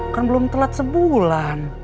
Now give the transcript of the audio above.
kan belum telat sebulan